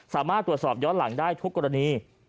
สามารถตรวจสอบย้อนหลังได้ทุกกรณี